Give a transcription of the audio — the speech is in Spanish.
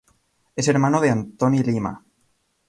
Es hermano de Antoni Lima.